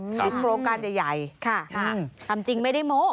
โครงการใหญ่ทำจริงไม่ได้โม้